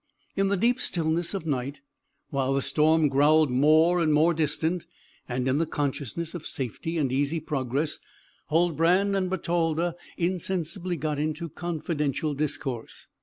In the deep stillness of night, while the storm growled more and more distant, and in the consciousness of safety and easy progress, Huldbrand and Bertalda insensibly got into confidential discourse.